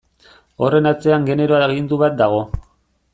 Horren atzean genero agindu bat dago.